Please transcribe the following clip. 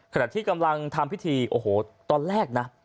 ขณะที่กำลังทำพิธีโอ้โหตอนแรกนะ